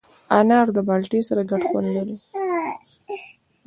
انار له مالټې سره ګډ خوند لري.